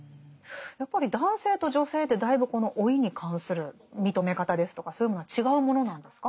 やっぱり男性と女性でだいぶこの老いに関する認め方ですとかそういうものは違うものなんですか？